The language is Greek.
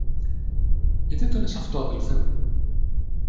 Γιατί το λες αυτό, αδελφέ μου;